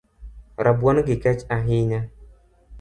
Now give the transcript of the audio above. Rabuoni gi kech ahinya